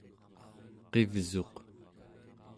qivsuq